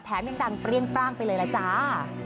ยังดังเปรี้ยงปร่างไปเลยล่ะจ้า